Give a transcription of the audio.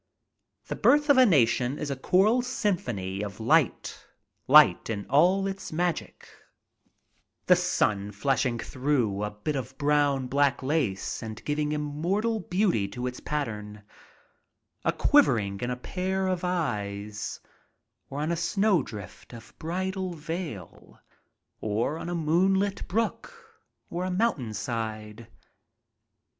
"The Birth of a Nation" is a choral symphony of light, light in all its magic; the sun flashing through a bit of blown black lace and giving immortal beauty to its pattern; or quivering in a pair of eyes, or on a snow drift of bridal veil, or on a moonlit brook or a mountain side.